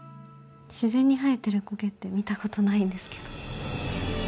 自然に生えてる苔って見たことないんですけど。